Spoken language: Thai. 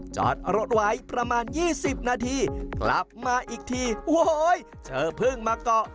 จอดรถไว้ประมาณ๒๐นาทีกลับมาอีกทีโอ้โหเธอเพิ่งมาเกาะ